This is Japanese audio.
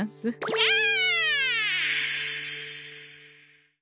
ニャア！